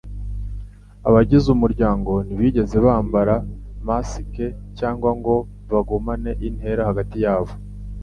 Abagize umuryango ntibigeze bambara masike cyangwa ngo bagumane intera hagati yabo.